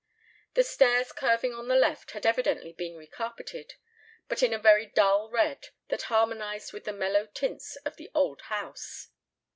The stairs curving on the left had evidently been recarpeted, but in a very dull red that harmonized with the mellow tints of the old house.